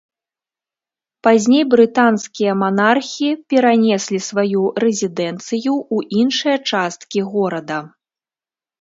Пазней брытанскія манархі перанеслі сваю рэзідэнцыю ў іншыя часткі горада.